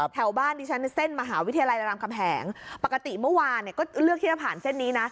แถวบ้านดิฉันในเส้นมหาวิทยาลัยรามคำแหงปกติเมื่อวานเนี่ยก็เลือกที่จะผ่านเส้นนี้นะ